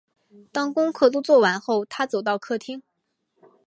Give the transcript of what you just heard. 当功课都做完后，她走到客厅